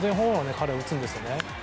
彼は打つんですよね。